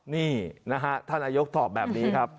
นี่นะฮะท่านนายกตอบแบบนี้ครับ